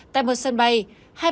tại một sân bay ukraine